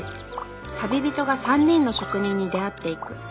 旅人が３人の職人に出会っていく。